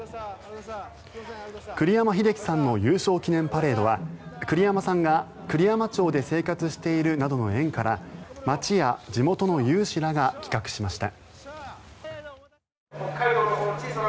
栗山英樹さんの優勝記念パレードは栗山さんが、栗山町で生活しているなどの縁から町や地元の有志らが企画しました。